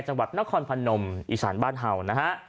จังหวัดนครพรรณมอิศัลบ้านเฮาว์นะฮะ